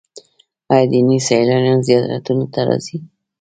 آیا دیني سیلانیان زیارتونو ته راځي؟